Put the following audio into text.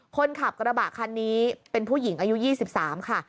คนขับกระบะคันนี้เป็นผู้หญิงอายุ๒๓ค่ะ